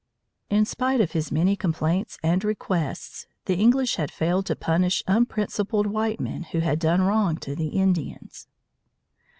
In spite of his many complaints and requests, the English had failed to punish unprincipled white men who had done wrong to the Indians.